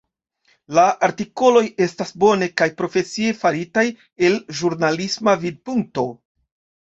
La artikoloj estas bone kaj profesie faritaj el ĵurnalisma vidpunkto.